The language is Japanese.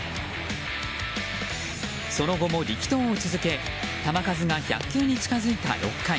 その後も力投を続け、球数が１００球に近づいた６回。